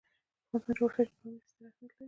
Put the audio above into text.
د افغانستان جغرافیه کې پامیر ستر اهمیت لري.